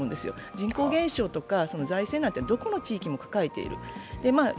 人口減少とか財政難はどこの地域も背負っている。